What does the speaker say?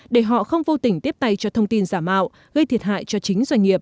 để họ không vô tình tiếp tay cho thông tin giả mạo gây thiệt hại cho chính doanh nghiệp